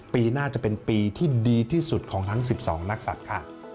ปีหน้าจะเป็นปีที่ดีที่สุดของทั้ง๑๒นักศัตริย์ค่ะ